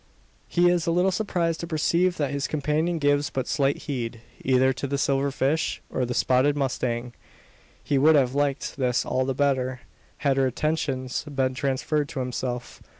He is a little surprised to perceive that his companion gives but slight heed, either to the silver fish, or the spotted mustang. He would have liked this all the better, had her attentions been transferred to himself.